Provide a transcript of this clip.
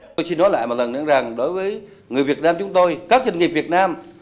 tôi xin nói lại một lần nữa rằng đối với người việt nam chúng tôi các doanh nghiệp việt nam